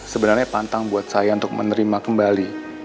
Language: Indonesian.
sebenarnya pantang buat saya untuk menerima kembali